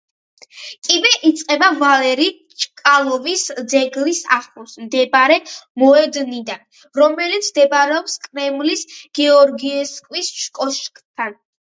კიბე იწყება ვალერი ჩკალოვის ძეგლის ახლოს მდებარე მოედნიდან, რომელიც მდებარეობს კრემლის გეორგიევსკის კოშკთან.